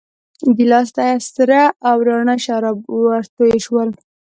ګیلاس ته سره او راڼه شراب ورتوی شول.